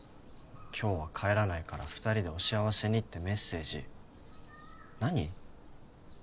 今日は帰らないから２人でお幸せにってメッセージ何？